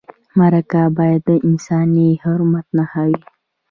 مرکه باید د انساني حرمت نښه وي.